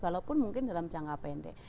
walaupun mungkin dalam jangka pendek